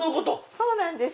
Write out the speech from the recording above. そうなんです。